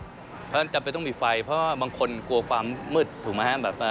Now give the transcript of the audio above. เพราะฉะนั้นจำเป็นต้องมีไฟเพราะว่าบางคนกลัวความมืดถูกไหมครับ